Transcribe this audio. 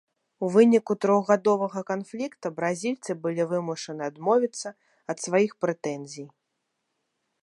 У выніку трохгадовага канфлікта бразільцы былі вымушаны адмовіцца ад сваіх прэтэнзій.